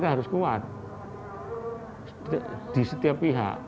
harus kuat di setiap pihak